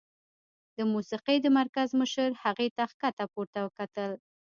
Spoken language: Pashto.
د موسيقۍ د مرکز مشر هغې ته ښکته پورته وکتل.